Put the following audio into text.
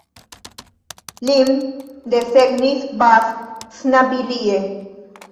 Lin desegnis Bas Snabilie.